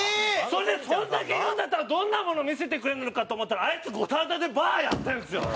そんだけ言うんだったらどんなもの見せてくれるのかと思ったらあいつ五反田でバーやってるんですよ！